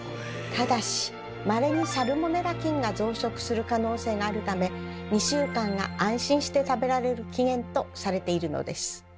ただしまれにサルモネラ菌が増殖する可能性があるため２週間が安心して食べられる期限とされているのです。